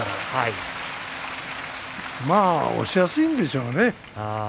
まあ押しやすいんでしょうね。